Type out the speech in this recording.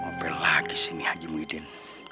ngapain lagi sini haji muhyiddin